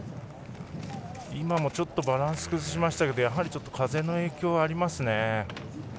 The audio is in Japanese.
今もバランスを崩しましたがやはり風の影響ありますね。